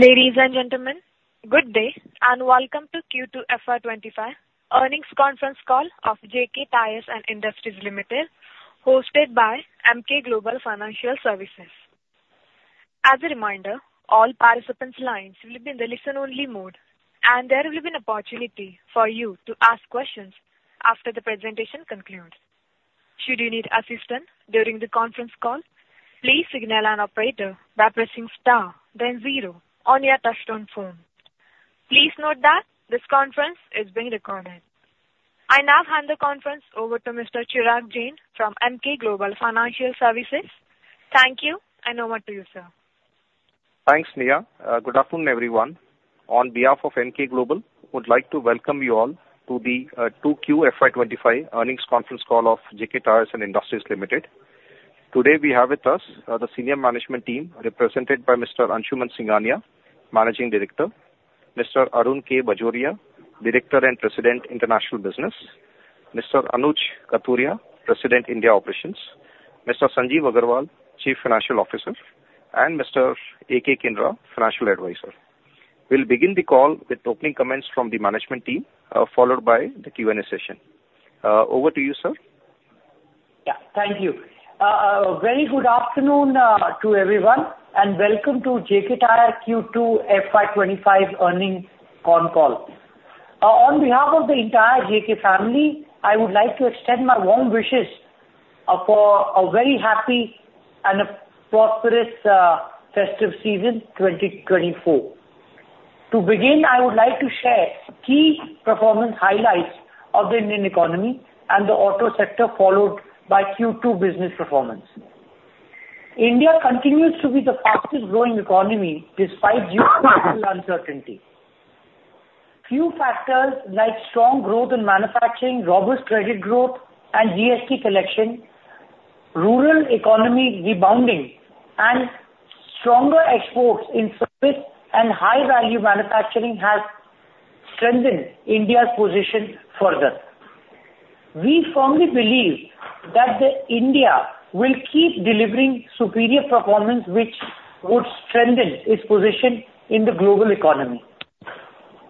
Ladies and gentlemen, good day and welcome to Q2 FY25 Earnings Conference Call of JK Tyre & Industries Ltd., hosted by Emkay Global Financial Services. As a reminder, all participants' lines will be in the listen-only mode, and there will be an opportunity for you to ask questions after the presentation concludes. Should you need assistance during the conference call, please signal an operator by pressing star, then zero on your touch-tone phone. Please note that this conference is being recorded. I now hand the conference over to Mr. Chirag Jain from Emkay Global Financial Services. Thank you and over to you, sir. Thanks, Nia. Good afternoon, everyone. On behalf of Emkay Global Financial Services, I would like to welcome you all to the Q2 FY25 Earnings Conference Call of JK Tyre & Industries Ltd. Today, we have with us the Senior Management Team represented by Mr. Anshuman Singhania, Managing Director, Mr. Arun K. Bajoria, Director and President, International Business, Mr. Anuj Kathuria, President, India Operations, Mr. Sanjeev Aggarwal, Chief Financial Officer, and Mr. A. K. Kinra, Financial Advisor. We'll begin the call with opening comments from the Management Team, followed by the Q&A session. Over to you, sir. Yeah, thank you. Very good afternoon to everyone, and welcome to JK Tyre Q2 FY25 Earnings Conference Call. On behalf of the entire JK family, I would like to extend my warm wishes for a very happy and prosperous festive season, 2024. To begin, I would like to share key performance highlights of the Indian economy and the auto sector, followed by Q2 business performance. India continues to be the fastest-growing economy despite geopolitical uncertainty. Few factors like strong growth in manufacturing, robust credit growth, and GST collection, rural economy rebounding, and stronger exports in service and high-value manufacturing have strengthened India's position further. We firmly believe that India will keep delivering superior performance, which would strengthen its position in the global economy.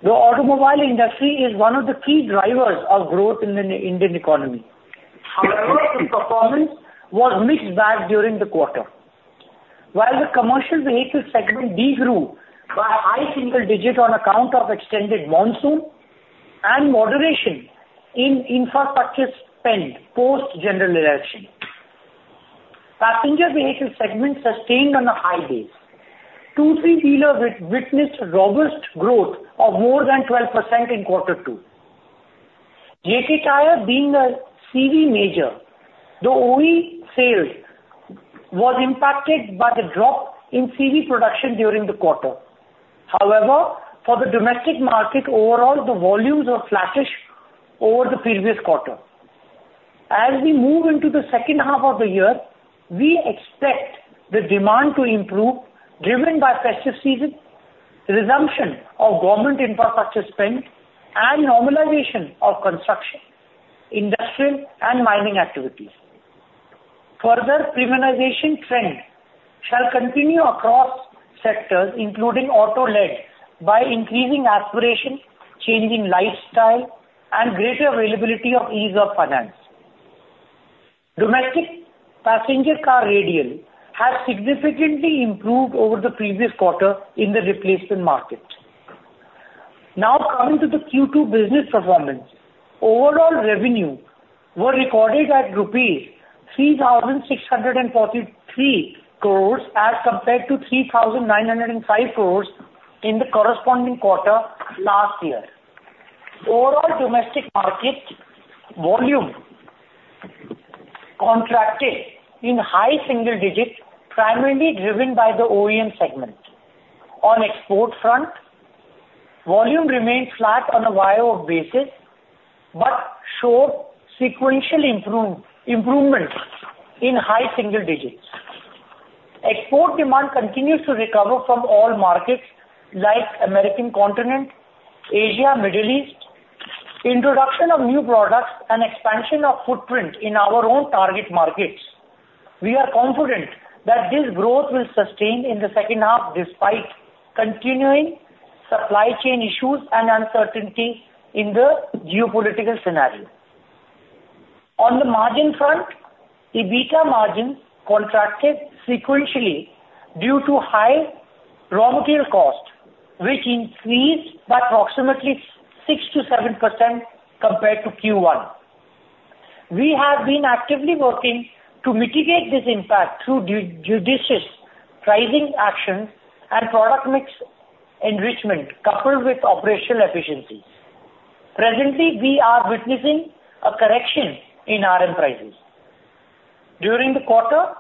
The automobile industry is one of the key drivers of growth in the Indian economy. However, the performance was mixed bag during the quarter, while the commercial vehicle segment degrew by high single digits on account of extended monsoon and moderation in infrastructure spend post-general election. Passenger vehicle segment sustained growth in the high teens. Two-wheeler dealers witnessed robust growth of more than 12% in quarter two. JK Tyre, being a CV major, though OE sales were impacted by the drop in CV production during the quarter. However, for the domestic market, overall, the volumes were flattish over the previous quarter. As we move into the second half of the year, we expect the demand to improve, driven by festive season, resumption of government infrastructure spend, and normalization of construction, industrial, and mining activities. Further, premiumization trend shall continue across sectors, including auto, led by increasing aspiration, changing lifestyle, and greater availability of ease of finance. Domestic passenger car radial has significantly improved over the previous quarter in the replacement market. Now, coming to the Q2 business performance, overall revenue was recorded at rupees 3,643 crores as compared to 3,905 crores in the corresponding quarter last year. Overall, domestic market volume contracted in high single digits, primarily driven by the OEM segment. On export front, volume remained flat on a year-on-year basis, but showed sequential improvement in high single digits. Export demand continues to recover from all markets like the American Continent, Asia, Middle East. Introduction of new products and expansion of footprint in our own target markets. We are confident that this growth will sustain in the second half despite continuing supply chain issues and uncertainty in the geopolitical scenario. On the margin front, EBITDA margins contracted sequentially due to high raw material cost, which increased by approximately 6%-7% compared to Q1. We have been actively working to mitigate this impact through judicious pricing actions and product mix enrichment, coupled with operational efficiencies. Presently, we are witnessing a correction in RM prices. During the quarter,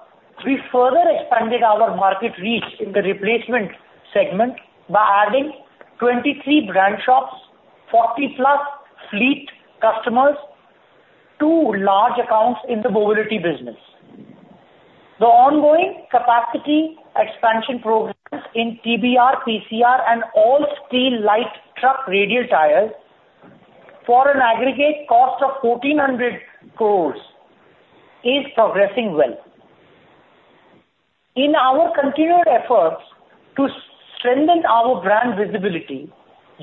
we further expanded our market reach in the replacement segment by adding 23 brand shops, 40-plus fleet customers, and two large accounts in the mobility business. The ongoing capacity expansion programs in TBR, PCR, and all steel light truck radial tires for an aggregate cost of 1,400 crores are progressing well. In our continued efforts to strengthen our brand visibility,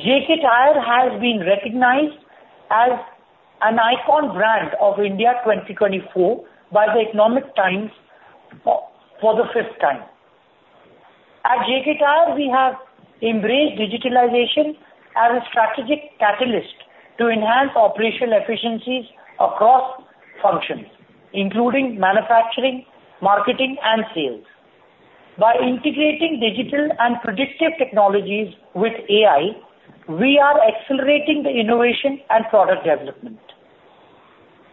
JK Tyre has been recognized as an icon brand of India 2024 by the Economic Times for the fifth time. At JK Tyre, we have embraced digitalization as a strategic catalyst to enhance operational efficiencies across functions, including manufacturing, marketing, and sales. By integrating digital and predictive technologies with AI, we are accelerating the innovation and product development.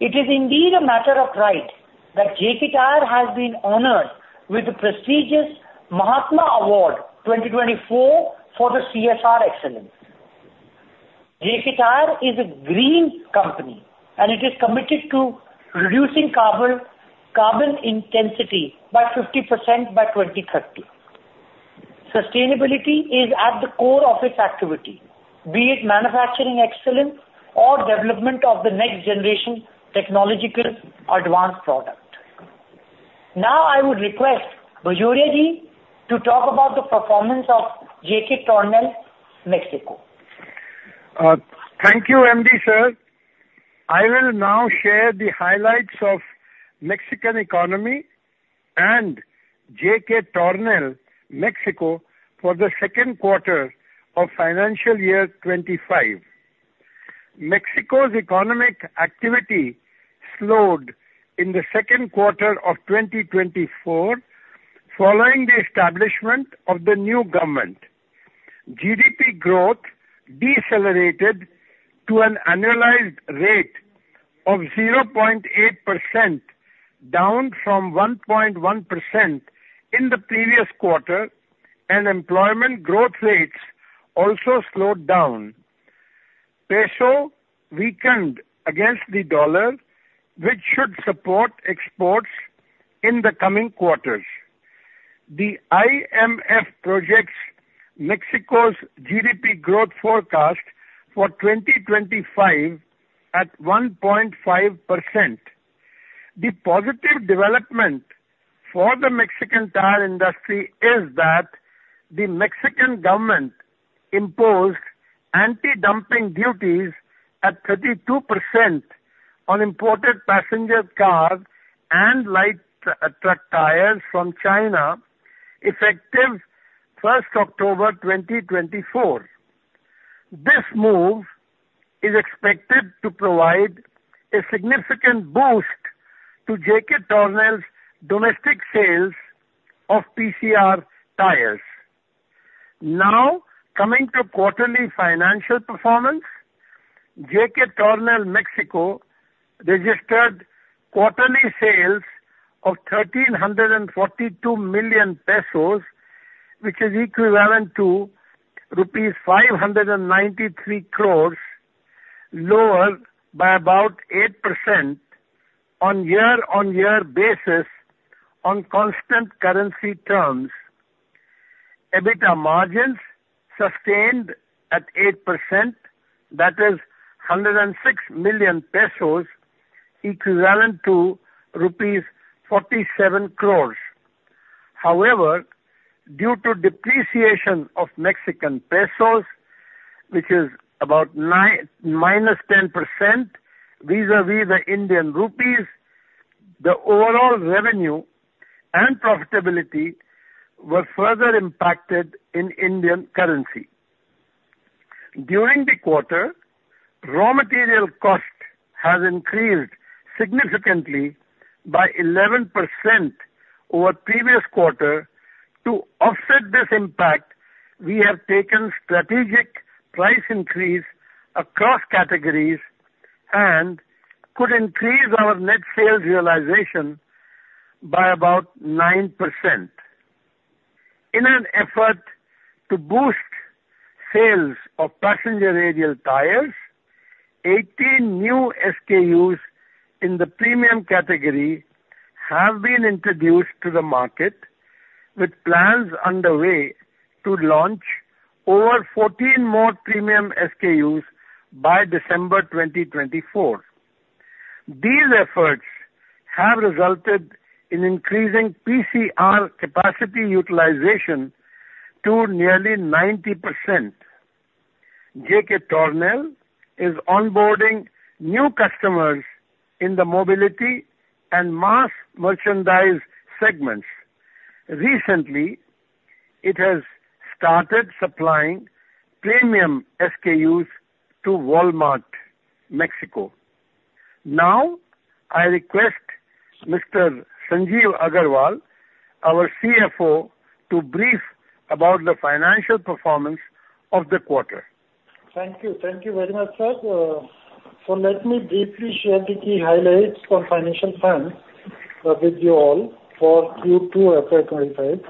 It is indeed a matter of pride that JK Tyre has been honored with the prestigious Mahatma Award 2024 for the CSR excellence. JK Tyre is a green company, and it is committed to reducing carbon intensity by 50% by 2030. Sustainability is at the core of its activity, be it manufacturing excellence or development of the next-generation technological advanced product. Now, I would request Bajoria ji to talk about the performance of JK Tornel, Mexico. Thank you, MD sir. I will now share the highlights of the Mexican economy and JK Tornel, Mexico, for the second quarter of financial year 25. Mexico's economic activity slowed in the second quarter of 2024 following the establishment of the new government. GDP growth decelerated to an annualized rate of 0.8%, down from 1.1% in the previous quarter, and employment growth rates also slowed down. Peso weakened against the dollar, which should support exports in the coming quarters. The IMF projects Mexico's GDP growth forecast for 2025 at 1.5%. The positive development for the Mexican tire industry is that the Mexican government imposed anti-dumping duties at 32% on imported passenger cars and light truck tires from China, effective 1st October 2024. This move is expected to provide a significant boost to JK Tornel's domestic sales of PCR tires. Now, coming to quarterly financial performance, JK Tornel, Mexico, registered quarterly sales of 1,342 million pesos, which is equivalent to rupees 593 crores, lower by about 8% on year-on-year basis on constant currency terms. EBITDA margins sustained at 8%, that is 106 million pesos, equivalent to rupees 47 crores. However, due to depreciation of Mexican pesos, which is about -10% vis-à-vis the Indian rupees, the overall revenue and profitability were further impacted in Indian currency. During the quarter, raw material cost has increased significantly by 11% over the previous quarter. To offset this impact, we have taken strategic price increases across categories and could increase our net sales realization by about 9%. In an effort to boost sales of passenger radial tires, 18 new SKUs in the premium category have been introduced to the market, with plans underway to launch over 14 more premium SKUs by December 2024. These efforts have resulted in increasing PCR capacity utilization to nearly 90%. JK Tornel is onboarding new customers in the mobility and mass merchandise segments. Recently, it has started supplying premium SKUs to Walmart, Mexico. Now, I request Mr. Sanjeev Aggarwal, our CFO, to brief about the financial performance of the quarter. Thank you. Thank you very much, sir. So let me briefly share the key highlights for financial plans with you all for Q2 FY25.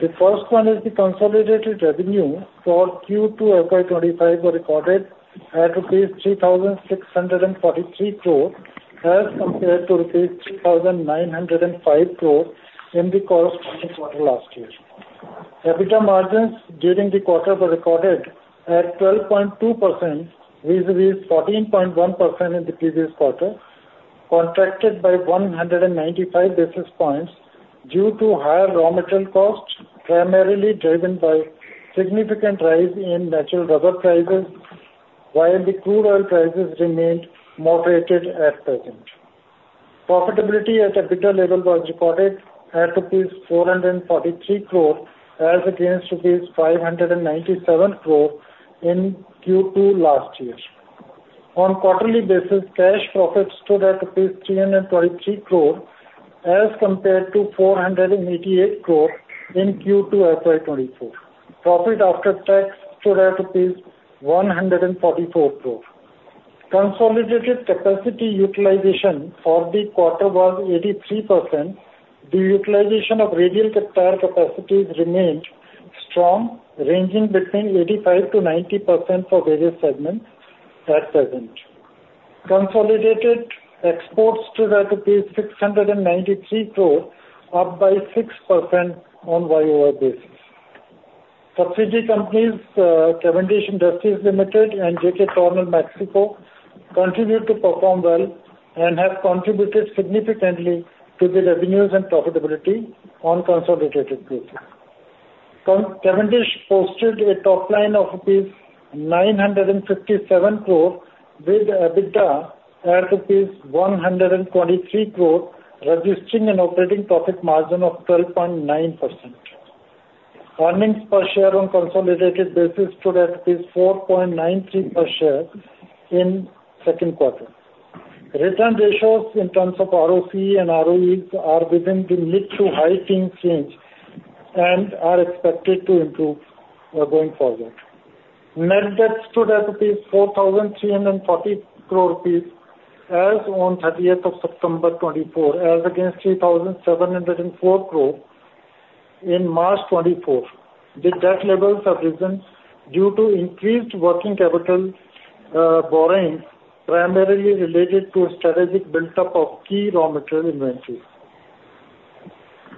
The first one is the consolidated revenue for Q2 FY25 was recorded at INR 3,643 crores as compared to INR 3,905 crores in the corresponding quarter last year. EBITDA margins during the quarter were recorded at 12.2% vis-à-vis 14.1% in the previous quarter, contracted by 195 basis points due to higher raw material cost, primarily driven by significant rise in natural rubber prices, while the crude oil prices remained moderated at present. Profitability at EBITDA level was recorded at rupees 443 crores as against rupees 597 crores in Q2 last year. On quarterly basis, cash profit stood at rupees 323 crores as compared to 488 crores in Q2 FY24. Profit after tax stood at rupees 144 crores. Consolidated capacity utilization for the quarter was 83%. The utilization of radial tire capacities remained strong, ranging between 85%-90% for various segments at present. Consolidated exports stood at 693 crores, up by 6% on a YoY basis. Subsidiary companies, Cavendish Industries Ltd. and JK Tornel Mexico, continued to perform well and have contributed significantly to the revenues and profitability on a consolidated basis. Cavendish posted a top line of rupees 957 crores with EBITDA at rupees 123 crores, registering an operating profit margin of 12.9%. Earnings per share on a consolidated basis stood at 4.93 per share in the second quarter. Return ratios in terms of ROC and ROEs are within the mid to high-key range and are expected to improve going forward. Net debt stood at 4,340 crores rupees as on 30th of September 2024, as against 3,704 crores in March 2024. The debt levels have risen due to increased working capital borrowing, primarily related to strategic build-up of key raw material inventories.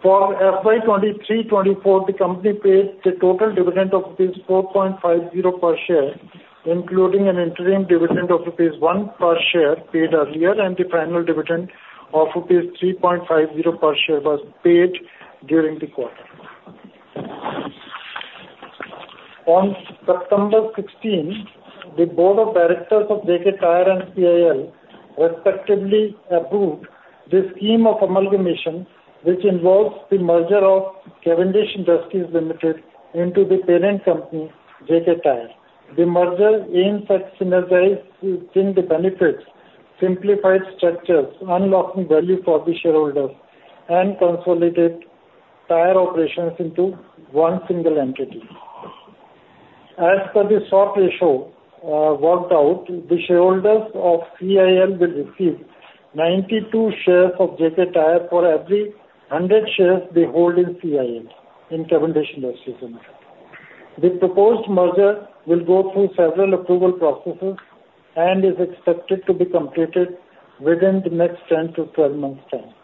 For FY 2023-24, the company paid the total dividend of rupees 4.50 per share, including an interim dividend of rupees 1 per share paid earlier, and the final dividend of rupees 3.50 per share was paid during the quarter. On September 16, the Board of Directors of JK Tyre & CIL respectively approved the scheme of amalgamation, which involves the merger of Cavendish Industries Ltd. into the parent company JK Tyre. The merger aims at synergizing the benefits, simplified structures, unlocking value for the shareholders, and consolidating tire operations into one single entity. As per the swap ratio worked out, the shareholders of CIL will receive 92 shares of JK Tyre for every 100 shares they hold in CIL in Cavendish Industries Ltd. The proposed merger will go through several approval processes and is expected to be completed within the next 10 to 12 months' time.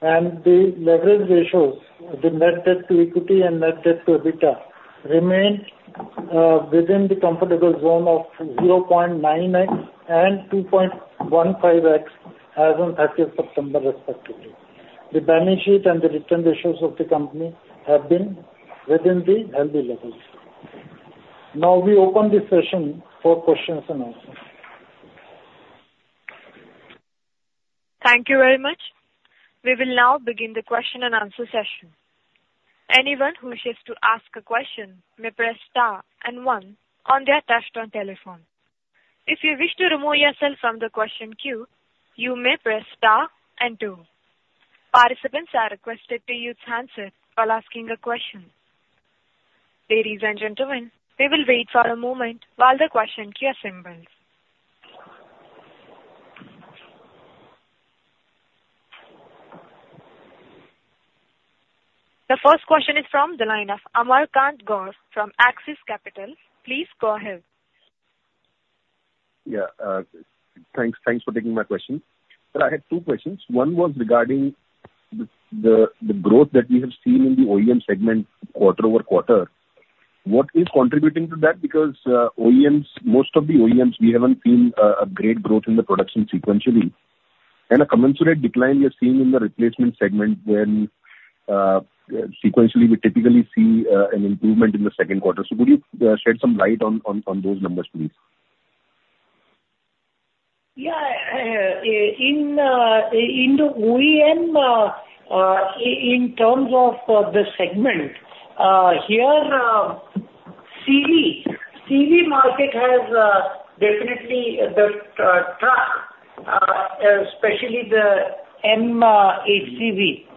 The leverage ratios, the net debt to equity and net debt to EBITDA, remained within the comfortable zone of 0.9x and 2.15x as on 30th of September respectively. The balance sheet and the return ratios of the company have been within the healthy levels. Now, we open the session for questions and answers. Thank you very much. We will now begin the question and answer session. Anyone who wishes to ask a question may press star and one on their touch-tone telephone. If you wish to remove yourself from the question queue, you may press star and two. Participants are requested to use handset while asking a question. Ladies and gentlemen, we will wait for a moment while the question queue assembles. The first question is from the line of Amarkant Gaur from Axis Capital. Please go ahead. Yeah. Thanks for taking my question, so I had two questions. One was regarding the growth that we have seen in the OEM segment quarter over quarter. What is contributing to that? Because most of the OEMs, we haven't seen a great growth in the production sequentially, and a commensurate decline we are seeing in the replacement segment when sequentially we typically see an improvement in the second quarter, so could you shed some light on those numbers, please? Yeah. In the OEM, in terms of the segment, the CV market has definitely, the truck, especially the MHCV,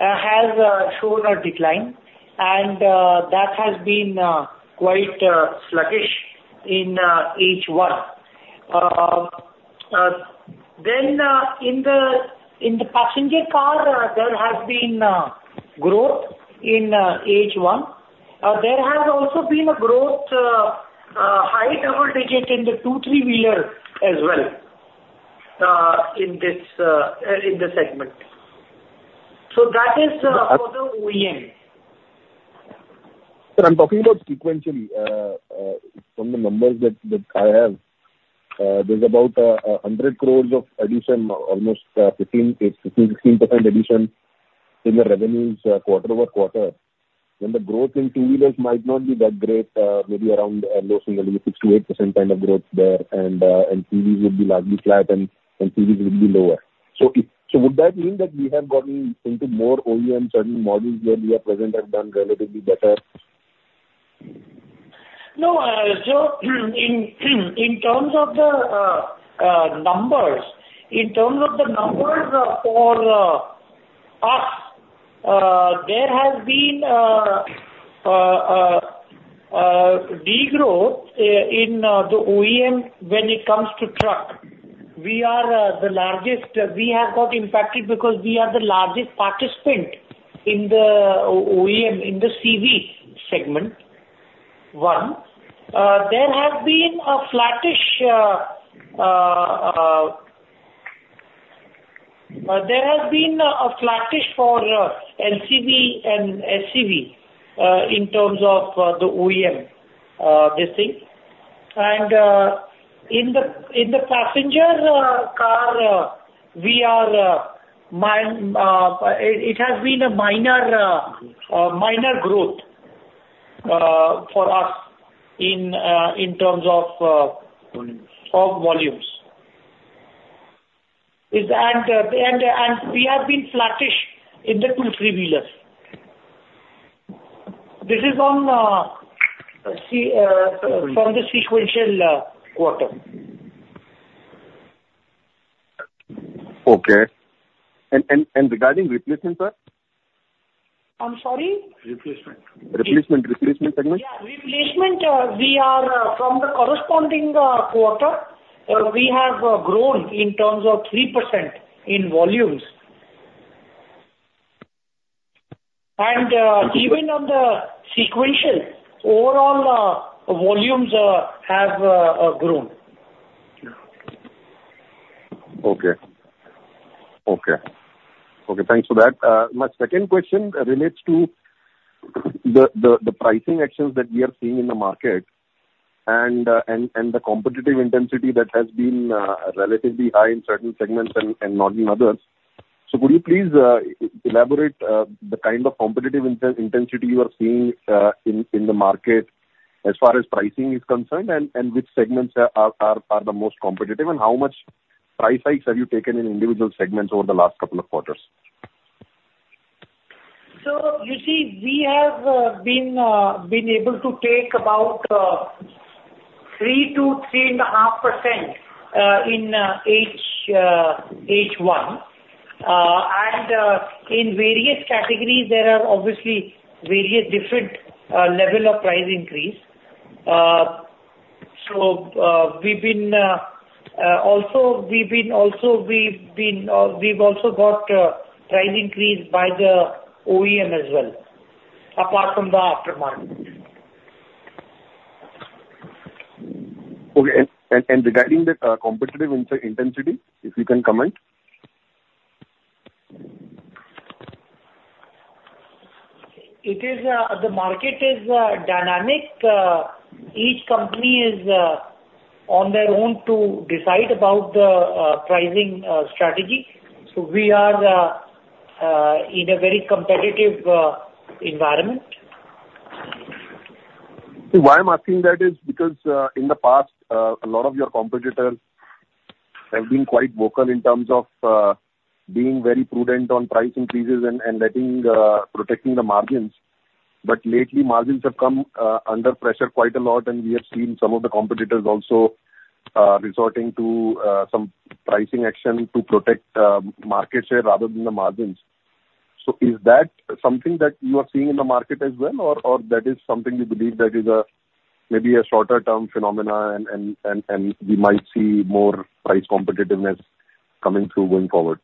has shown a decline, and that has been quite sluggish in H1. Then in the passenger car, there has been growth in H1. There has also been a growth, high double-digit, in the two- and three-wheeler as well in the segment. So that is for the OEM. I'm talking about sequentially. From the numbers that I have, there's about 100 crores of addition, almost 15% addition in the revenues quarter over quarter. The growth in two-wheelers might not be that great, maybe around a low single, maybe 6%-8% kind of growth there, and CVs would be largely flat, and CVs would be lower. Would that mean that we have gotten into more OEM certain models where we have presence and have done relatively better? No. So in terms of the numbers, in terms of the numbers for us, there has been a degrowth in the OEM when it comes to truck. We are the largest. We have got impacted because we are the largest participant in the OEM, in the CV segment, one. There has been a flattish. There has been a flattish for LCV and SCV in terms of the OEM, this thing. And in the passenger car, it has been a minor growth for us in terms of volumes. And we have been flattish in the two three-wheelers. This is from the sequential quarter. Okay. And regarding replacement, sir? I'm sorry? Replacement. Replacement, replacement segment? Yeah. Replacement, from the corresponding quarter, we have grown in terms of 3% in volumes. And even on the sequential, overall volumes have grown. Okay. Okay. Okay. Thanks for that. My second question relates to the pricing actions that we are seeing in the market and the competitive intensity that has been relatively high in certain segments and not in others. So could you please elaborate the kind of competitive intensity you are seeing in the market as far as pricing is concerned and which segments are the most competitive, and how much price hikes have you taken in individual segments over the last couple of quarters? So you see, we have been able to take about 3%-3.5% in H1. And in various categories, there are obviously various different levels of price increase. So we've also got price increase by the OEM as well, apart from the aftermarket. Okay, and regarding the competitive intensity, if you can comment? The market is dynamic. Each company is on their own to decide about the pricing strategy. So we are in a very competitive environment. Why I'm asking that is because in the past, a lot of your competitors have been quite vocal in terms of being very prudent on price increases and protecting the margins. But lately, margins have come under pressure quite a lot, and we have seen some of the competitors also resorting to some pricing action to protect market share rather than the margins. So is that something that you are seeing in the market as well, or that is something you believe that is maybe a shorter-term phenomenon, and we might see more price competitiveness coming through going forward?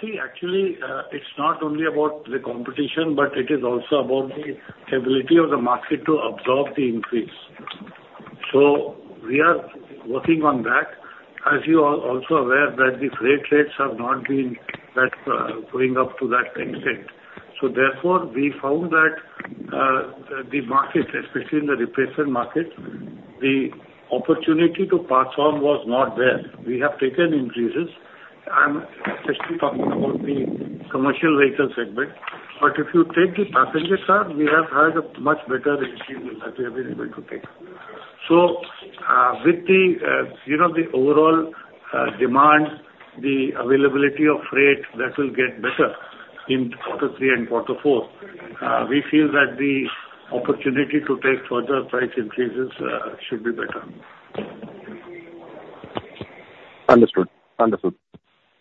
See, actually, it's not only about the competition, but it is also about the ability of the market to absorb the increase. So we are working on that. As you are also aware that the freight rates have not been going up to that extent. So therefore, we found that the market, especially in the replacement market, the opportunity to pass on was not there. We have taken increases. I'm especially talking about the commercial vehicle segment. But if you take the passenger car, we have had a much better increase than we have been able to take. So with the overall demand, the availability of freight, that will get better in quarter three and quarter four. We feel that the opportunity to take further price increases should be better. Understood. Understood.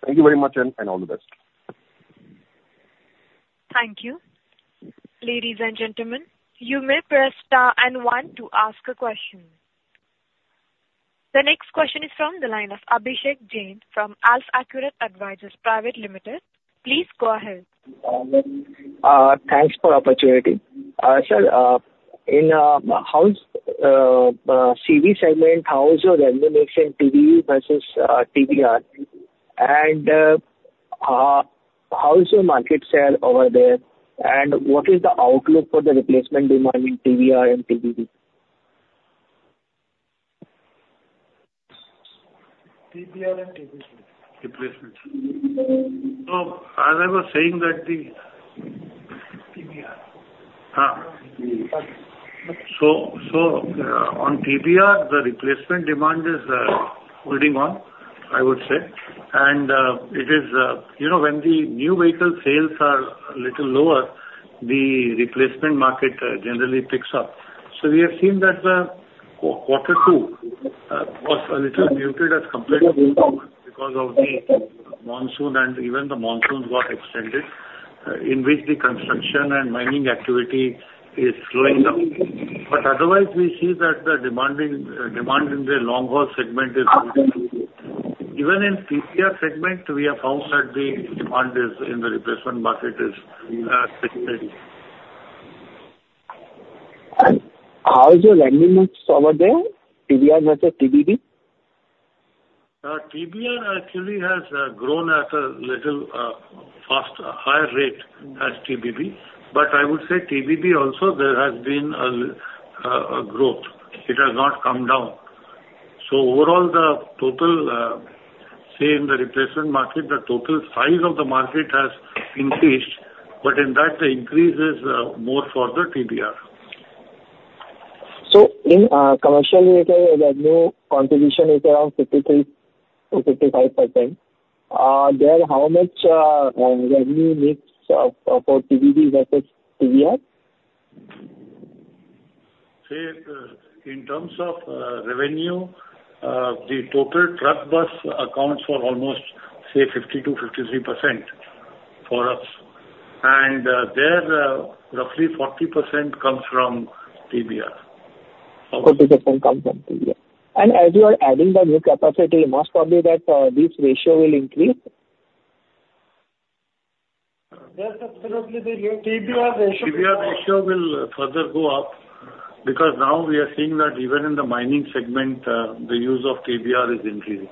Thank you very much and all the best. Thank you. Ladies and gentlemen, you may press star and one to ask a question. The next question is from the line of Abhishek Jain from AlfAccurate Advisors Private Limited. Please go ahead. Thanks for the opportunity. Sir, in the CV segment, how is your revenue mix in TBB versus TBR? And how is your market share over there? And what is the outlook for the replacement demand in TBR and TBB? TBR and TBB replacement. So as I was saying that the TBR. Huh. So on TBR, the replacement demand is holding on, I would say. And it is when the new vehicle sales are a little lower, the replacement market generally picks up. So we have seen that quarter two was a little muted as compared to because of the monsoon, and even the monsoon got extended in which the construction and mining activity is slowing down. But otherwise, we see that the demand in the long-haul segment is good. Even in TBR segment, we have found that the demand in the replacement market is fixed. How is your revenue mix over there? TBR versus TBB? TBR actually has grown at a little higher rate as TBB. But I would say TBB also, there has been a growth. It has not come down. So overall, the total say in the replacement market, the total size of the market has increased. But in that, the increase is more for the TBR. So in commercial vehicle, revenue contribution is around 53%-55%. There, how much revenue mix for TBB versus TBR? See, in terms of revenue, the total truck bus accounts for almost, say, 50%-53% for us. And there, roughly 40% comes from TBR. 40% comes from TBR, and as you are adding the new capacity, most probably that this ratio will increase? Yes, absolutely. TBR ratio will further go up because now we are seeing that even in the mining segment, the use of TBR is increasing.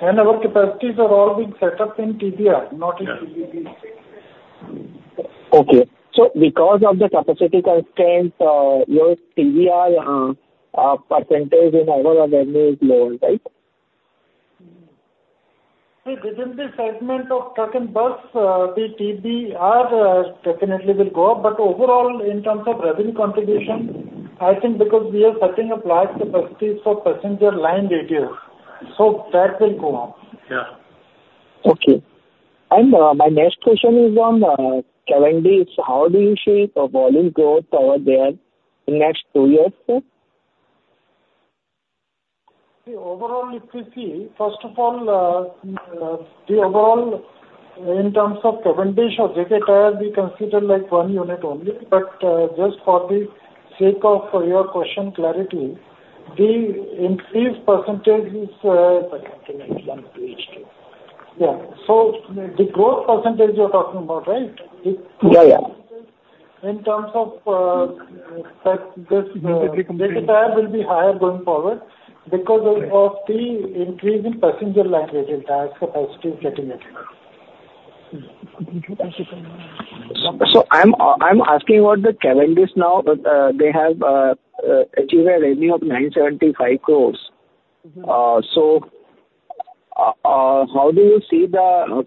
And our capacities are all being set up in TBR, not in TBB. Okay. So because of the capacity constraint, your TBR percentage in overall revenue is lower, right? See, within the segment of truck and bus, the TBR definitely will go up. But overall, in terms of revenue contribution, I think because we are setting up large capacities for passenger radials, so that will go up. Yeah. Okay. And my next question is on calendars. How do you see the volume growth over there in the next two years? See, overall, if you see, first of all, the overall in terms of calendars, you can consider like one unit only. But just for the sake of your question clarity, the increased percentage is. Second to the H1, H2. Yeah, so the growth percentage you're talking about, right? Yeah, yeah. In terms of. If you compare. Tire will be higher going forward because of the increase in passenger car radial tires capacity is getting better. I'm asking about the Cavendish now. They have achieved a revenue of 975 crores. How do you see the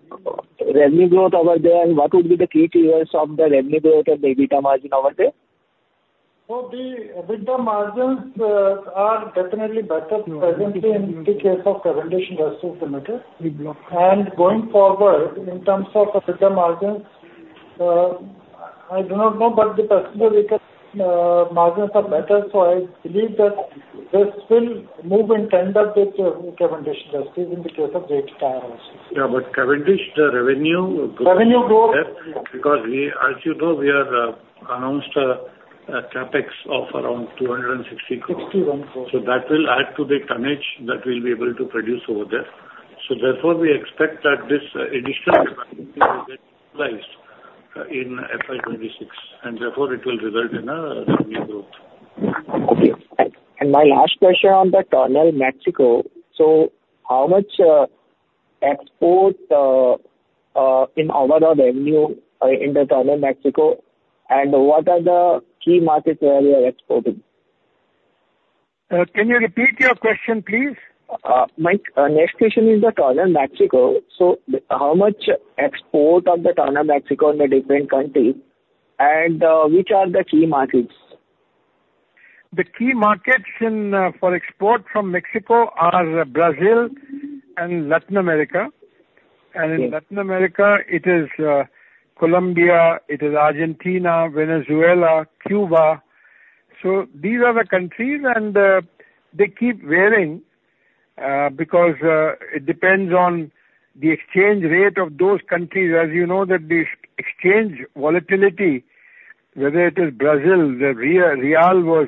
revenue growth over there? And what would be the key figures of the revenue growth and the EBITDA margin over there? The EBITDA margins are definitely better presently in the case of calendars versus TBR. Going forward, in terms of EBITDA margins, I do not know, but the passenger vehicle margins are better. I believe that this will move in tandem with calendars versus TBR in the case of TBR also. Yeah, but calendar's revenue. Revenue growth. Because as you know, we have announced a CapEx of around 260 crores. 61 crores. So that will add to the tonnage that we'll be able to produce over there. So therefore, we expect that this additional capacity will get utilized in FY 26. And therefore, it will result in a revenue growth. Okay. And my last question on the Tornel, Mexico. So how much export in overall revenue in the Tornel, Mexico? And what are the key markets where you are exporting? Can you repeat your question, please? Mike, our next question is the Tornel, Mexico. So how much export of the Tornel, Mexico in the different countries? And which are the key markets? The key markets for export from Mexico are Brazil and Latin America. And in Latin America, it is Colombia, it is Argentina, Venezuela, Cuba. So these are the countries, and they keep varying because it depends on the exchange rate of those countries. As you know, the exchange volatility, whether it is Brazil, the real was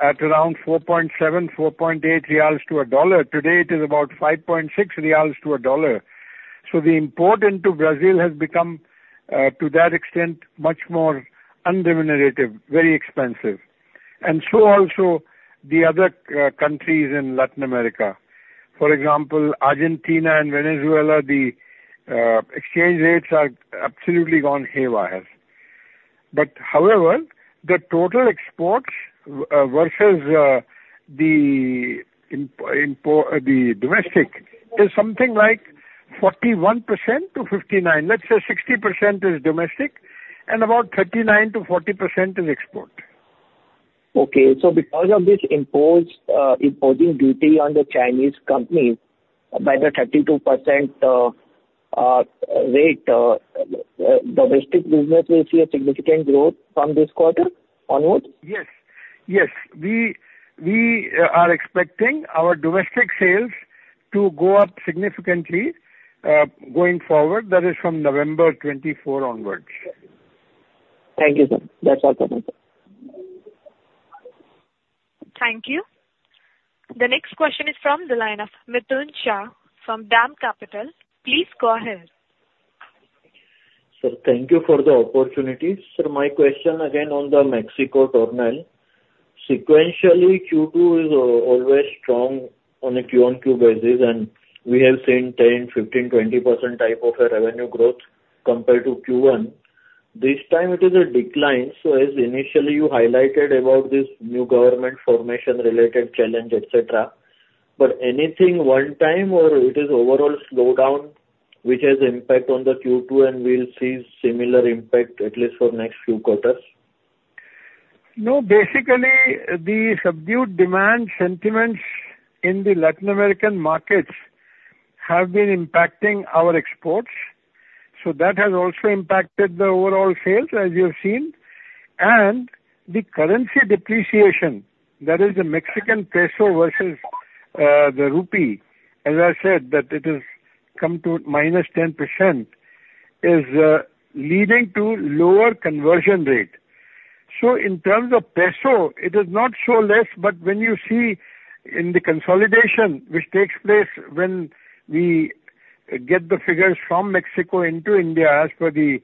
at around 4.7-4.8 reals to $1. Today, it is about 5.6 reals to $1. So the import into Brazil has become, to that extent, much more unremunerative, very expensive. And so also the other countries in Latin America. For example, Argentina and Venezuela, the exchange rates are absolutely gone haywire. But however, the total exports versus the domestic is something like 41% to 59%. Let's say 60% is domestic and about 39%-40% is export. Because of this anti-dumping duty on the Chinese companies by the 32% rate, domestic business will see a significant growth from this quarter onwards? Yes. Yes. We are expecting our domestic sales to go up significantly going forward, that is from November 24 onwards. Thank you, sir. That's all from me, sir. Thank you. The next question is from the line of Mitul Shah from DAM Capital. Please go ahead. Sir, thank you for the opportunity. Sir, my question again on the Mexico Tornel. Sequentially, Q2 is always strong on a Q1 QoQ basis, and we have seen 10%, 15%, 20% type of a revenue growth compared to Q1. This time, it is a decline. So as initially you highlighted about this new government formation-related challenge, etc., but anything one-time or it is overall slowdown which has impact on the Q2, and we'll see similar impact at least for next few quarters? No, basically, the subdued demand sentiments in the Latin American markets have been impacting our exports. So that has also impacted the overall sales, as you've seen. And the currency depreciation, that is the Mexican peso versus the rupee, as I said, that it has come to -10%, is leading to lower conversion rate. So in terms of peso, it is not so less. But when you see in the consolidation which takes place when we get the figures from Mexico into India as per the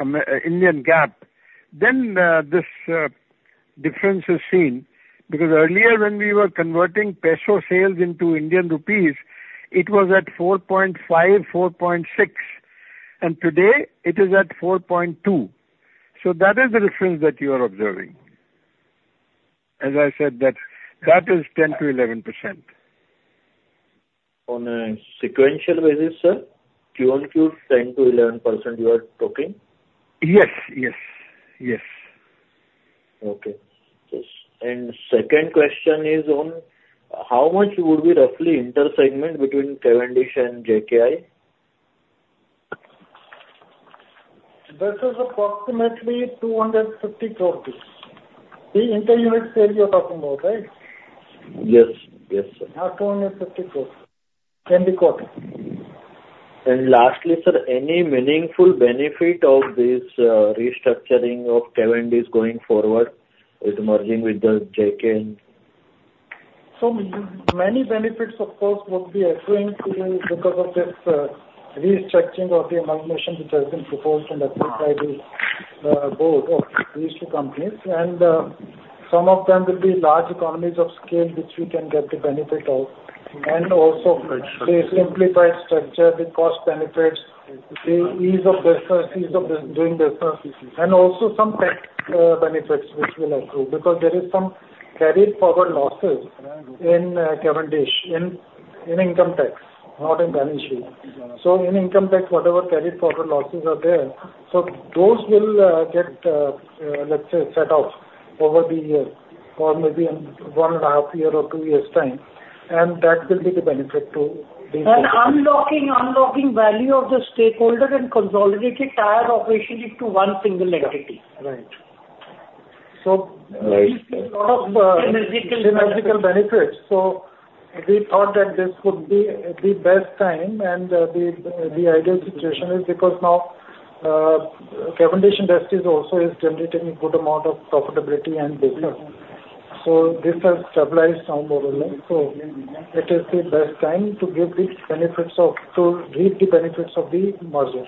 Indian GAAP, then this difference is seen. Because earlier, when we were converting peso sales into Indian rupees, it was at 4.5, 4.6. And today, it is at 4.2. So that is the difference that you are observing. As I said, that is 10%-11%. On a sequential basis, sir, Q1, Q, 10%-11% you are talking? Yes. Yes. Yes. Okay. And second question is on how much would be roughly inter-segment between Cavendish and JKI? This is approximately 250 crores. The inter-unit sale you're talking about, right? Yes. Yes, sir. 250 crores. Can be quoted. Lastly, sir, any meaningful benefit of this restructuring of Cavendish going forward with merging with the JKI? So many benefits, of course, would be accruing because of this restructuring of the amalgamation which has been proposed and approved by the board of these two companies. And some of them will be large economies of scale which we can get the benefit of. And also the simplified structure with cost benefits, the ease of doing business, and also some tech benefits which will accrue because there is some carry-forward losses in Cavendish in income tax, not in balance sheet. So in income tax, whatever carry-forward losses are there, so those will get, let's say, set off over the year or maybe in one and a half year or two years' time. And that will be the benefit to these. Unlocking value of the stakeholder and consolidating tire operation into one single entity. Right. So a lot of synergistic benefits. So we thought that this would be the best time, and the ideal situation is because now Cavendish Industries also is generating a good amount of profitability and business. So this has stabilized now more or less. So it is the best time to give the benefits of the merger to reap the benefits of the merger.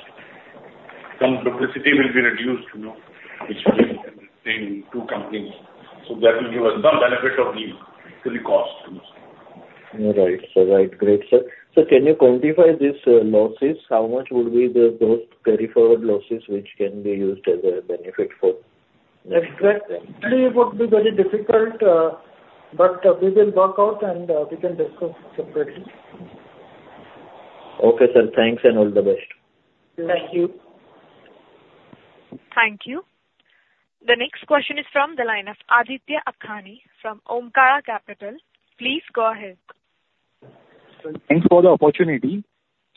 And duplication will be reduced between two companies. So that will give us some benefit on the cost. Right. All right. Great, sir. So can you quantify these losses? How much would be those carry-forward losses which can be used as a benefit for? It would be very difficult, but we will work out and we can discuss separately. Okay, sir. Thanks and all the best. Thank you. Thank you. The next question is from the line of Aditya Akhani from Omkara Capital. Please go ahead. Thanks for the opportunity.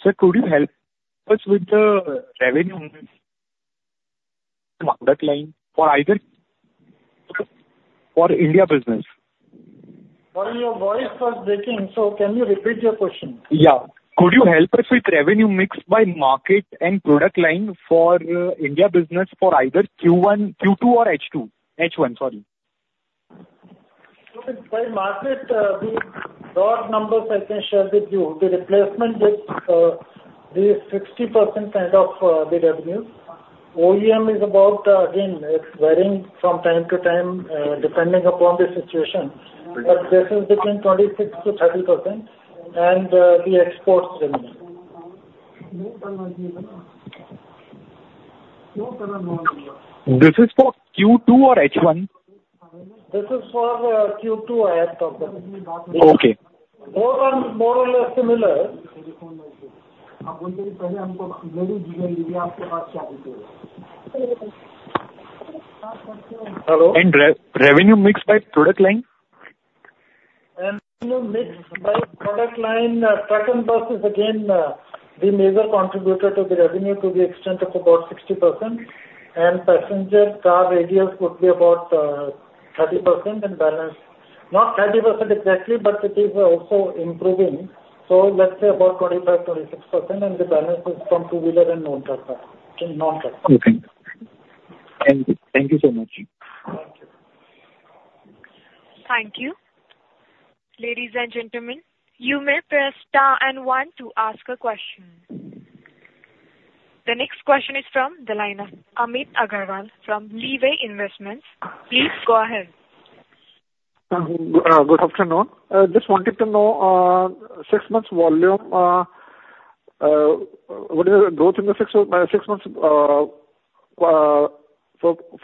Sir, could you help us with the revenue product line for the India business? Your voice was breaking, so can you repeat your question? Yeah. Could you help us with revenue mix by market and product line for India business for either Q1, Q2, or H2? H1, sorry. By market, the broad numbers I can share with you. The replacement gets the 60% kind of the revenue. OEM is about, again, it's varying from time to time depending upon the situation. But this is between 26%-30% and the exports revenue. This is for Q2 or H1? This is for Q2, I have talked about. Okay. Both are more or less similar. Hello? And revenue mix by product line? Revenue mix by product line, truck and bus is again the major contributor to the revenue to the extent of about 60%. Passenger car radial would be about 30% and balance. Not 30% exactly, but it is also improving. Let's say about 25-26%, and the balance is from two-wheeler and non-truck. Okay. Thank you so much. Thank you. Thank you. Ladies and gentlemen, you may press star and one to ask a question. The next question is from the line of Amit Agarwal from Leeway Investments. Please go ahead. Good afternoon. Just wanted to know six months volume, what is the growth in the six months for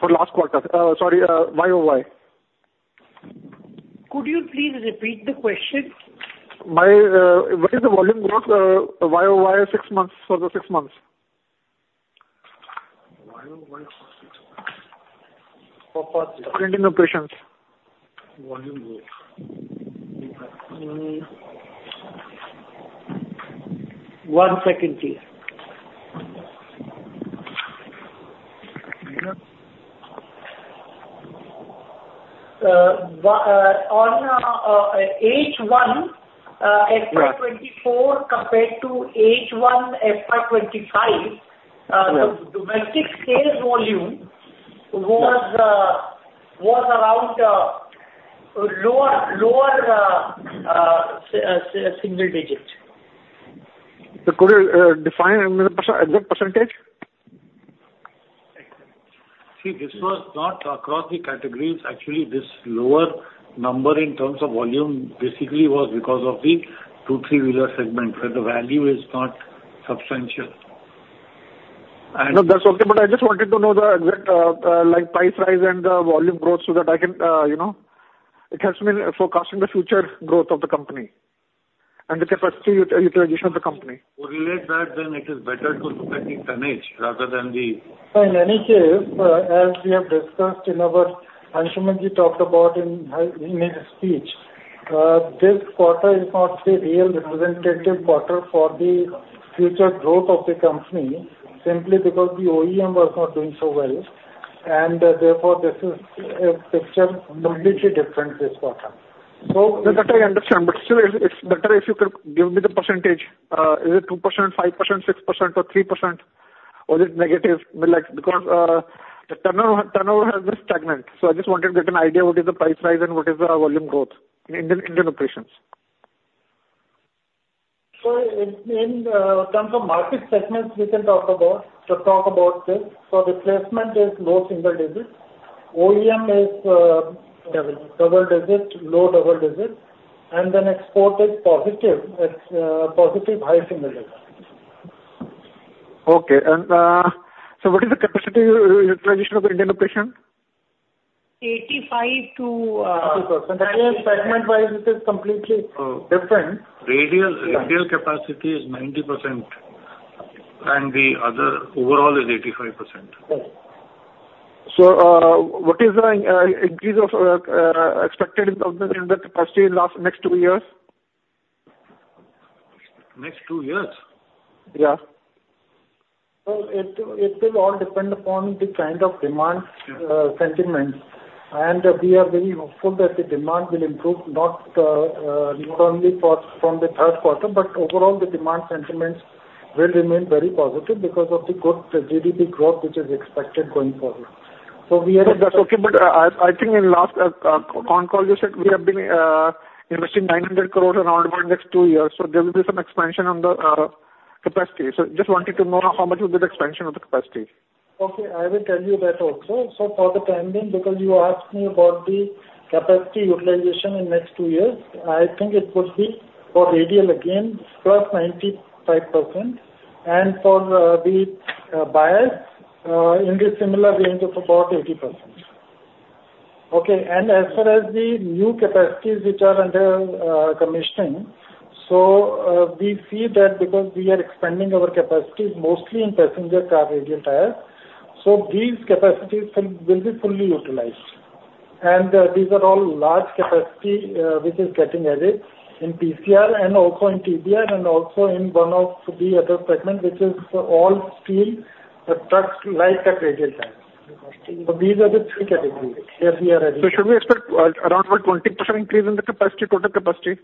last quarter? Sorry, YOY. Could you please repeat the question? What is the volume growth, YOY, six months for the six months? For what? For continued operations. Volume growth. One second, please. On H1, FY 2024 compared to H1, FY 2025, the domestic sales volume was around lower single digit. Could you define the percentage? See, this was not across the categories. Actually, this lower number in terms of volume basically was because of the two-, three-wheeler segment, where the value is not substantial. No, that's okay. But I just wanted to know the exact price rise and the volume growth so that I can. It helps me forecasting the future growth of the company and the capacity utilization of the company. Would you like that? Then it is better to look at the tonnage rather than the? In any case, as we have discussed, Anshuman, you talked about in his speech. This quarter is not the real representative quarter for the future growth of the company simply because the OEM was not doing so well, and therefore, this is a picture completely different this quarter. That's what I understand. But still, it's better if you could give me the percentage. Is it 2%, 5%, 6%, or 3%? Or is it negative? Because the turnover has been stagnant. So I just wanted to get an idea of what is the price rise and what is the volume growth in Indian operations. So in terms of market segments, we can talk about this. So replacement is low single digit. OEM is double digit, low double digit. And then export is positive, positive high single digit. Okay. And so what is the capacity utilization of the Indian operation? 85 to. 80%. Again, segment-wise, it is completely different. Radial capacity is 90%, and the other overall is 85%. What is the expected increase in the capacity in the next two years? Next two years? Yeah. So it will all depend upon the kind of demand sentiments. And we are very hopeful that the demand will improve not only from the third quarter, but overall the demand sentiments will remain very positive because of the good GDP growth which is expected going forward. So we are at. That's okay. But I think in last con call, you said we have been investing 900 crores around the next two years. So there will be some expansion on the capacity. So just wanted to know how much will be the expansion of the capacity? Okay. I will tell you that also. So, for the time being, because you asked me about the capacity utilization in the next two years, I think it would be for radial again, plus 95%. And for the bias, in the similar range of about 80%. Okay. And as far as the new capacities which are under commissioning, we see that because we are expanding our capacity mostly in passenger car radial tires. These capacities will be fully utilized. And these are all large capacity which is getting added in PCR and also in TBR and also in one of the other segments which is All Steel Light Truck Radial tires. These are the three categories as we are adding. So should we expect around about 20% increase in the capacity, total capacity,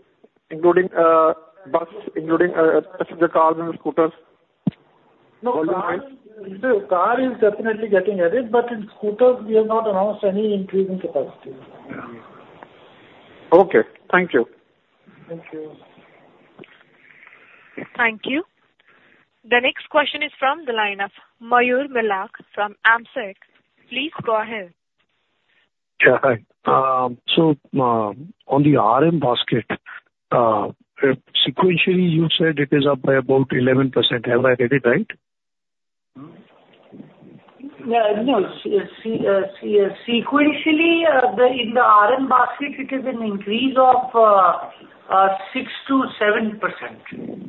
including bus, including passenger cars and scooters? Car is definitely getting added, but in scooters, we have not announced any increase in capacity. Okay. Thank you. Thank you. Thank you. The next question is from the line of Mayur Milak from AMSEC. Please go ahead. Yeah. Hi. So on the RM basket, sequentially, you said it is up by about 11%. Have I read it right? No. Sequentially, in the RM basket, it is an increase of 6%-7%. 6%-7%.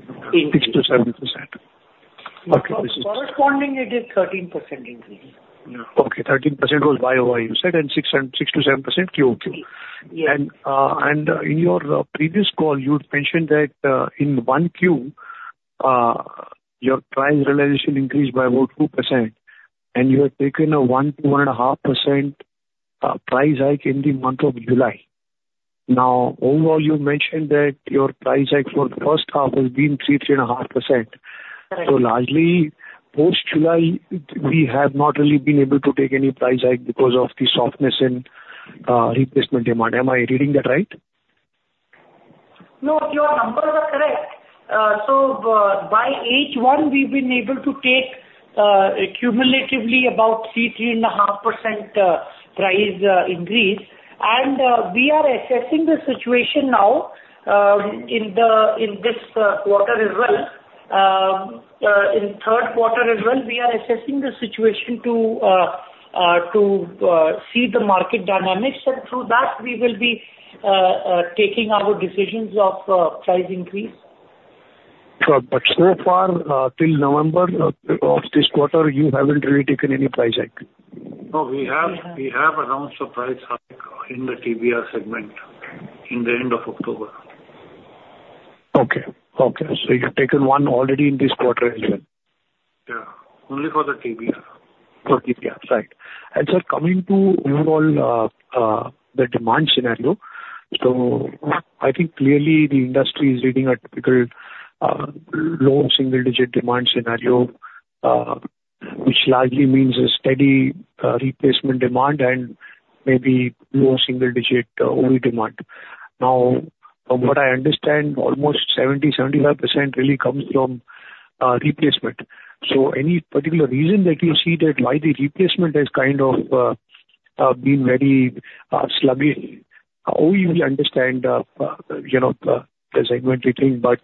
Okay. This is. Correspondingly, it is 13% increase. Okay. 13% was YOY, you said, and 6%-7% QOQ. Yes. In your previous call, you had mentioned that in one Q, your price realization increased by about 2%. You had taken a 1-1.5% price hike in the month of July. Now, overall, you mentioned that your price hike for the first half has been 3-3.5%. Correct. Largely, post-July, we have not really been able to take any price hike because of the softness in replacement demand. Am I reading that right? No, your numbers are correct. So by H1, we've been able to take cumulatively about 3%-3.5% price increase. And we are assessing the situation now in this quarter as well. In third quarter as well, we are assessing the situation to see the market dynamics. And through that, we will be taking our decisions of price increase. But so far, till November of this quarter, you haven't really taken any price hike? No, we have announced a price hike in the TBR segment in the end of October. Okay. Okay. So you've taken one already in this quarter as well? Yeah. Only for the TBR. For TBR. Right. And sir, coming to overall the demand scenario, so I think clearly the industry is reading a typical low single-digit demand scenario, which largely means a steady replacement demand and maybe low single-digit OE demand. Now, from what I understand, almost 70-75% really comes from replacement. So any particular reason that you see that why the replacement has kind of been very sluggish? Oh, you will understand the segmentary thing, but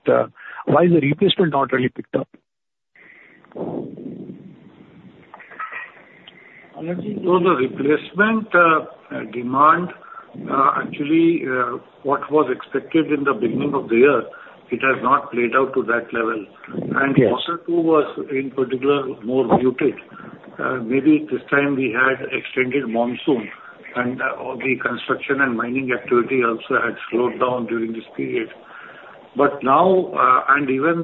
why is the replacement not really picked up? No, the replacement demand, actually, what was expected in the beginning of the year, it has not played out to that level and quarter two was in particular more muted. Maybe this time we had extended monsoon, and the construction and mining activity also had slowed down during this period, but now, and even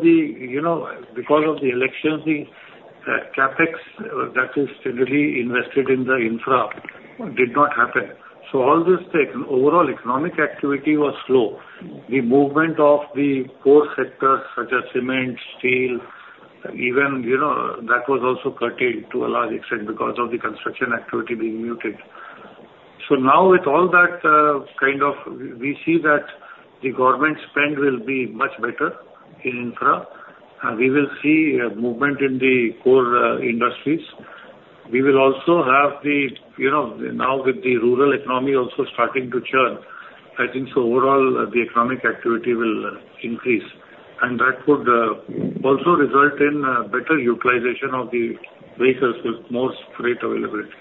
because of the elections, the CapEx, that is generally invested in the infra, did not happen so all this overall economic activity was slow. The movement of the core sectors such as cement, steel, even that was also curtailed to a large extent because of the construction activity being muted so now with all that kind of, we see that the government spend will be much better in infra. We will see movement in the core industries. We will also have the now with the rural economy also starting to churn. I think overall the economic activity will increase. And that would also result in better utilization of the vehicles with more freight availability.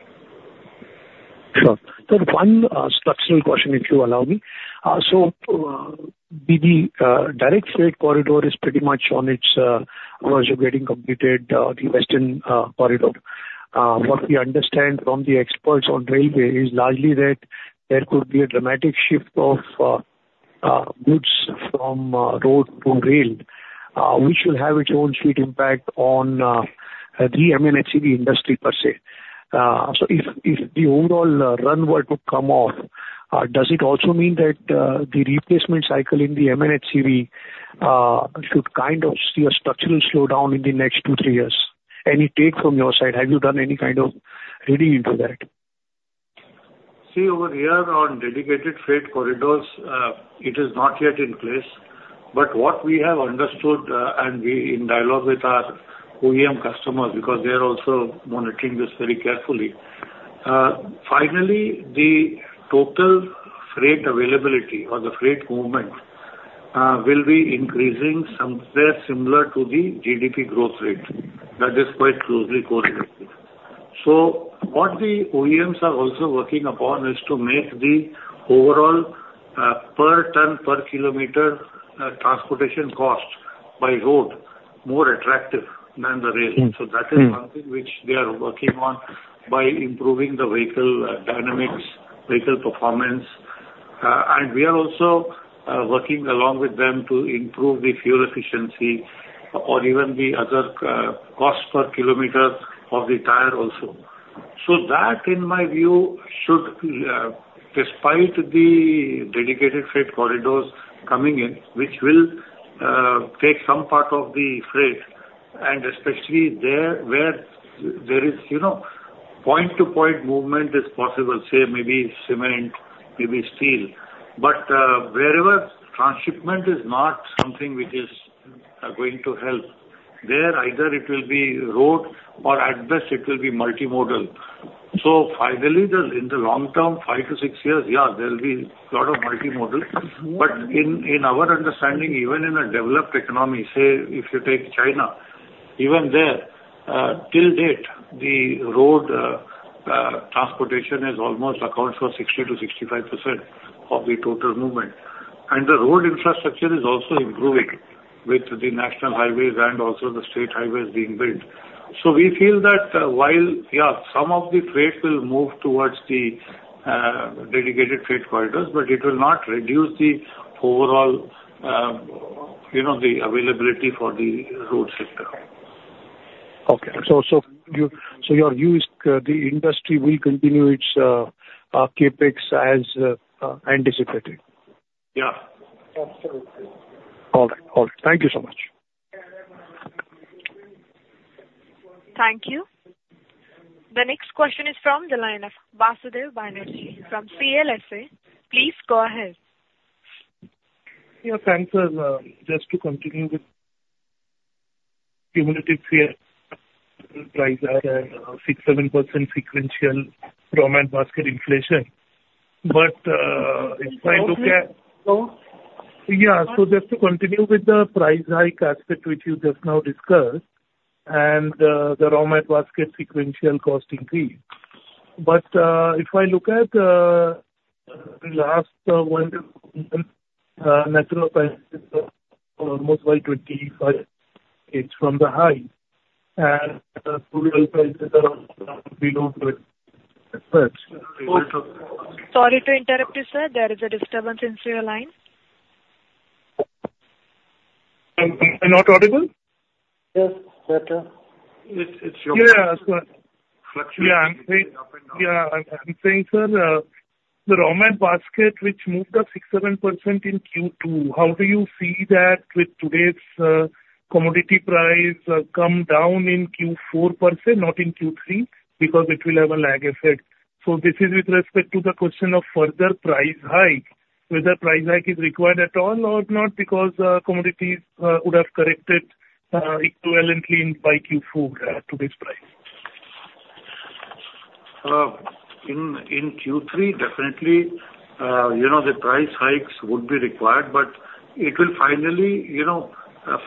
Sure. Then one structural question, if you allow me. So the Dedicated Freight Corridor is pretty much on its getting completed, the western corridor. What we understand from the experts on railway is largely that there could be a dramatic shift of goods from road to rail, which will have its own sweet impact on the MHCV industry per se. So if the overall run rate could come off, does it also mean that the replacement cycle in the MHCV should kind of see a structural slowdown in the next two, three years? Any take from your side? Have you done any kind of reading into that? See, over here on Dedicated Freight Corridors, it is not yet in place, but what we have understood, and we in dialogue with our OEM customers because they are also monitoring this very carefully, finally, the total freight availability or the freight movement will be increasing somewhere similar to the GDP growth rate. That is quite closely correlated, so what the OEMs are also working upon is to make the overall per ton per kilometer transportation cost by road more attractive than the rail, so that is one thing which they are working on by improving the vehicle dynamics, vehicle performance, and we are also working along with them to improve the fuel efficiency or even the other cost per kilometer of the tire also. So that, in my view, should, despite the Dedicated Freight Corridors coming in, which will take some part of the freight, and especially where there is point-to-point movement is possible, say maybe cement, maybe steel. But wherever transshipment is not something which is going to help, there either it will be road or at best it will be multimodal. So finally, in the long term, five to six years, yeah, there will be a lot of multimodal. But in our understanding, even in a developed economy, say if you take China, even there, to date, the road transportation almost accounts for 60%-65% of the total movement. And the road infrastructure is also improving with the national highways and also the state highways being built. So we feel that while, yeah, some of the freight will move towards the Dedicated Freight Corridors, but it will not reduce the overall availability for the road sector. Okay. So your view is the industry will continue its CapEx as anticipated? Yeah. Absolutely. All right. All right. Thank you so much. Thank you. The next question is from the line of Basudeb Banerjee from CLSA. Please go ahead. Yeah. Thanks. Just to continue with cumulative freight price hike and 6-7% sequential raw material basket inflation. But if I look at. Yeah. So just to continue with the price hike aspect which you just now discussed and the raw material basket sequential cost increase. But if I look at the last one-year natural rubber prices, almost by 25%, it's from the high. And the rubber prices are below 25. Also. Sorry to interrupt you, sir. There is a disturbance in your line. I'm not audible? Yes. Better. It's your question. Yeah. Yeah. I'm saying, sir, the raw material basket, which moved up 6%-7% in Q2, how do you see that with today's commodity prices coming down in Q4 per se, not in Q3? Because it will have a lag effect. So this is with respect to the question of further price hike, whether price hike is required at all or not because commodities would have corrected equivalently by Q4 to this price. In Q3, definitely, the price hikes would be required, but it will finally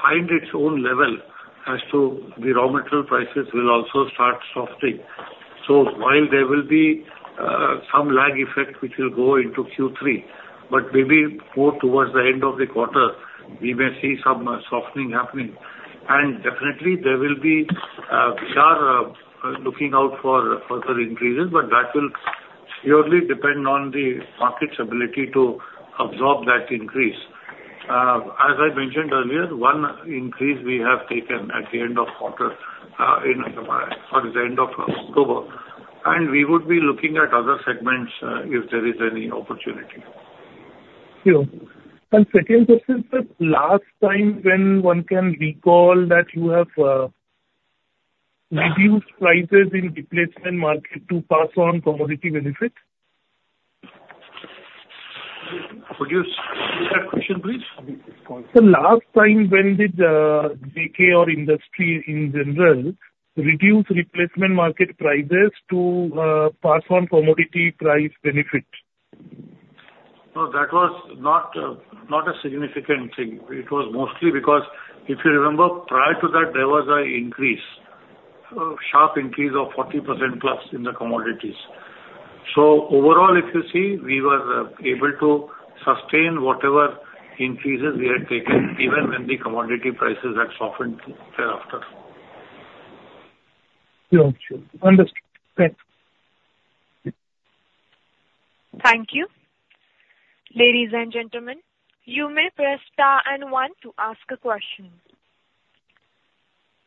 find its own level as the raw material prices will also start softening. So while there will be some lag effect which will go into Q3, but maybe more towards the end of the quarter, we may see some softening happening. And definitely, we will be looking out for further increases, but that will surely depend on the market's ability to absorb that increase. As I mentioned earlier, one increase we have taken at the end of the quarter in the end of October. And we would be looking at other segments if there is any opportunity. Sure. And second question, sir, last time when one can recall that you have reduced prices in replacement market to pass on commodity benefit? Could you repeat that question, please? So last time, when did JK or industry in general reduce replacement market prices to pass on commodity price benefit? No, that was not a significant thing. It was mostly because if you remember, prior to that, there was an increase, sharp increase of 40% plus in the commodities. So overall, if you see, we were able to sustain whatever increases we had taken, even when the commodity prices had softened thereafter. Sure. Sure. Understood. Thanks. Thank you. Ladies and gentlemen, you may press star and one to ask a question.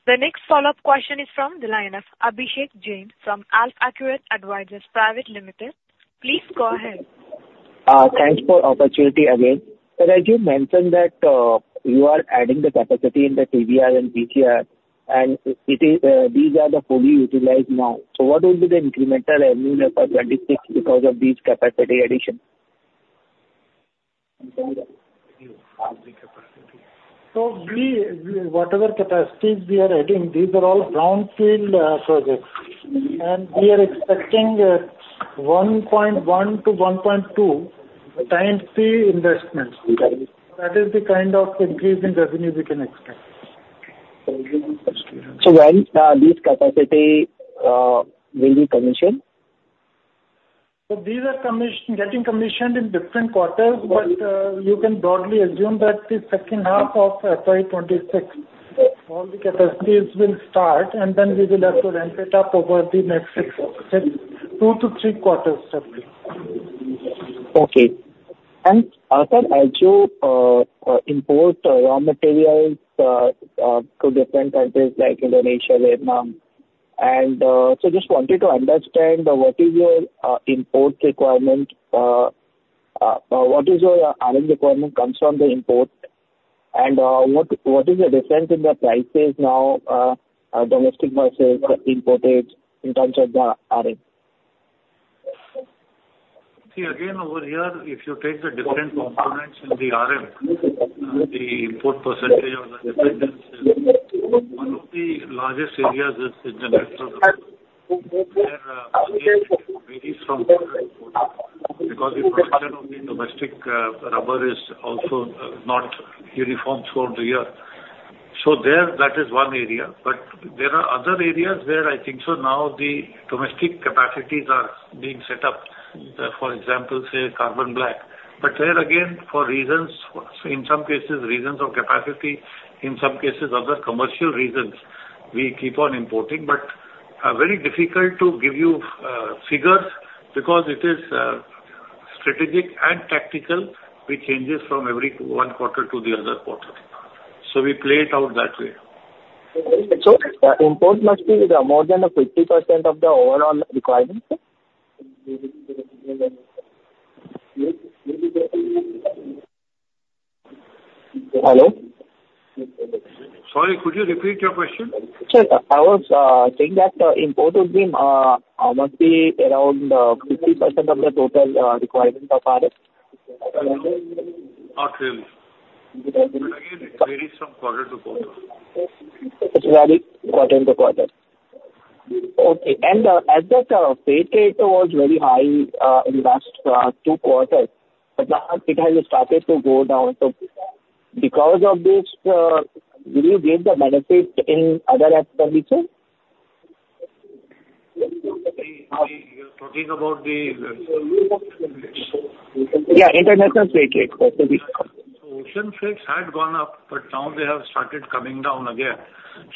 The next follow-up question is from the line of Abhishek Jain from AlfAccurate Advisors. Please go ahead. Thanks for the opportunity again. As you mentioned that you are adding the capacity in the TBR and PCR, and these are fully utilized now. So what will be the incremental revenue for 26 because of these capacity additions? So whatever capacities we are adding, these are all brownfield projects. And we are expecting 1.1-1.2 times the investment. That is the kind of increase in revenue we can expect. When these capacity will be commissioned? These are getting commissioned in different quarters, but you can broadly assume that the second half of 2026, all the capacities will start, and then we will have to ramp it up over the next two to three quarters, certainly. Okay. And sir, as you import raw materials to different countries like Indonesia, Vietnam, and so just wanted to understand what is your import requirement? What is your RM requirement comes from the import? And what is the difference in the prices now, domestic versus imported in terms of the RM? See, again, over here, if you take the different components in the RM, the import percentage of the dependencies, one of the largest areas is the natural rubber. There again, it varies from quarter to quarter because the production of the domestic rubber is also not uniform throughout the year. So there, that is one area. But there are other areas where I think so now the domestic capacities are being set up. For example, say carbon black. But there again, for reasons, in some cases, reasons of capacity, in some cases, other commercial reasons, we keep on importing. But very difficult to give you figures because it is strategic and tactical. We change this from every one quarter to the other quarter. So we played out that way. So import must be more than 50% of the overall requirement? Hello? Sorry, could you repeat your question? Sir, I was saying that import must be around 50% of the total requirement of RM. Not really. But again, it varies from quarter to quarter. It varies quarter to quarter. Okay. And as that freight rate was very high in the last two quarters, but now it has started to go down. So because of this, will you gain the benefit in other expenditures? You're talking about the. Yeah, international freight rates. Ocean freights had gone up, but now they have started coming down again.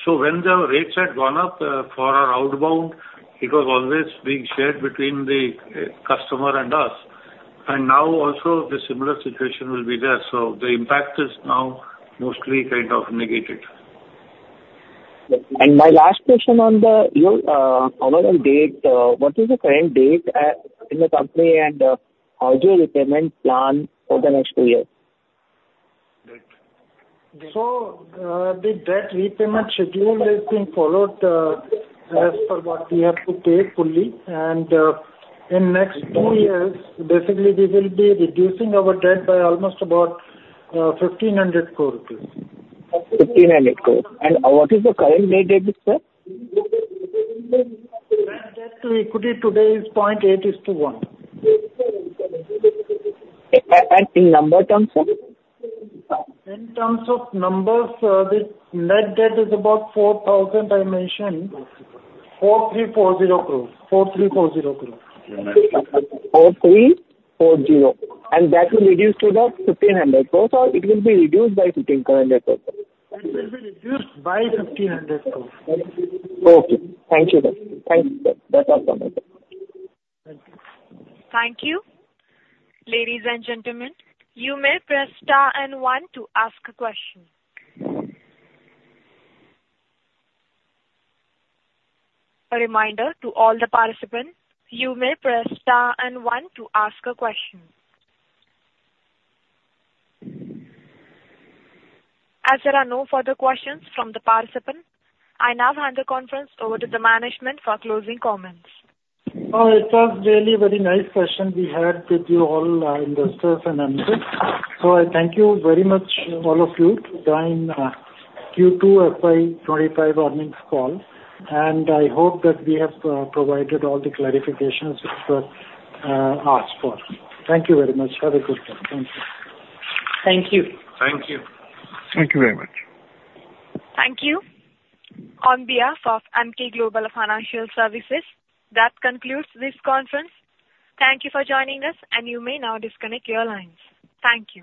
When the rates had gone up for our outbound, it was always being shared between the customer and us. Now also the similar situation will be there. The impact is now mostly kind of negated. My last question on the overall debt, what is the current debt in the company and how is your repayment plan for the next two years? So the debt repayment schedule is being followed as per what we have to pay fully. And in the next two years, basically, we will be reducing our debt by almost about 1,500 crores rupees. 1,500 crores. And what is the current net debt, sir? Net Debt to equity today is 0.8:1. In number terms, sir? In terms of numbers, the net debt is about 4,000, I mentioned, 4,340 crores. 4,340 crores. 4,340. And that will reduce to the 1,500 crores? Or it will be reduced by 1,500 crores? It will be reduced by INR 1,500 crores. Okay. Thank you, sir. Thank you, sir. That's all from me. Thank you. Ladies and gentlemen, you may press star and one to ask a question. A reminder to all the participants, you may press star and one to ask a question. As there are no further questions from the participants, I now hand the conference over to the management for closing comments. It was really a very nice session we had with you all, investors and analysts. So I thank you very much, all of you, for joining Q2 FY25 earnings call. And I hope that we have provided all the clarifications which were asked for. Thank you very much. Have a good day. Thank you. Thank you. Thank you. Thank y ou very much. Thank you. On behalf of Emkay Global Financial Services, that concludes this conference. Thank you for joining us, and you may now disconnect your lines. Thank you.